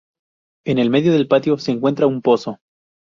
En el medio del patio se encuentra un pozo.